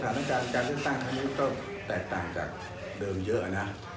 สถานการณ์การเลือกตั้งครั้งนี้ก็แตกต่างจากเดิมเยอะนะ